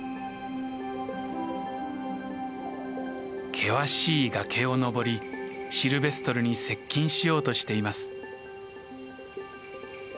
険しい崖を登りシルベストルに接近しようとしています。